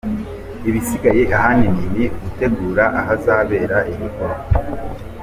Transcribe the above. Ibisigaye ahanini ni ugutegura ahazabera igikorwa.